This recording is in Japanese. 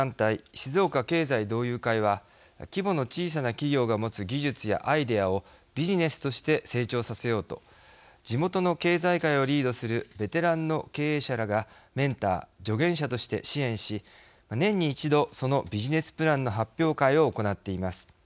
静岡経済同友会は規模の小さな企業が持つ技術やアイデアをビジネスとして成長させようと地元の経済界をリードするベテランの経営者らがメンター＝助言者として支援し年に一度そのビジネスプランの発表会を行っています。